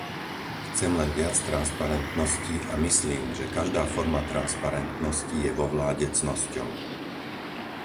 Chcem len viac transparentnosti a myslím, že každá forma transparentnosti je vo vláde cnosťou.